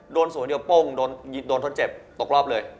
สวนเดียวโป้งโดนทดเจ็บตกรอบเลย